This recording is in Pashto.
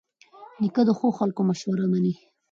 نیکه د ښو خلکو مشوره منې.